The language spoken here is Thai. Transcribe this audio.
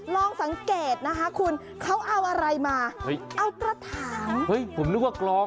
ลองสังเกตนะคะคุณเขาเอาอะไรมาเฮ้ยเอากระถางเฮ้ยผมนึกว่ากลอง